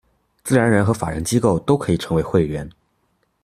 自然人和法人机构都可以成为会员。